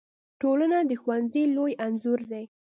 ټولنه د ښوونځي لوی انځور دی.